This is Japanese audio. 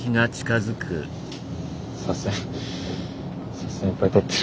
写真いっぱい撮ってる。